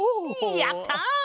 やった！